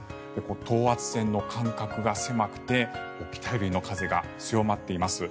等圧線の間隔が狭くて北寄りの風が強まっています。